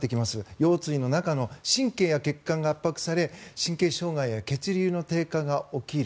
腰椎の中の神経や血管が圧迫され神経障害や血流の低下が起きる。